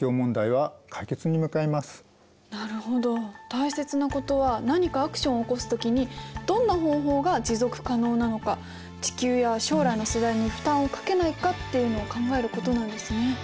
大切なことは何かアクションを起こす時にどんな方法が持続可能なのか地球や将来の世代に負担をかけないかっていうのを考えることなんですね。